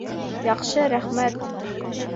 Яҡшы, рәхмәт!